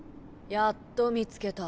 やっと見つけた。